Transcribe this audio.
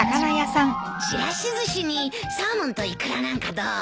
ちらしずしにサーモンとイクラなんかどう？